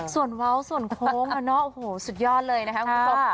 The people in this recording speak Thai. ส่วนเว้าส์ส่วนโค้งอันนั้นโอ้โหสุดยอดเลยนะครับ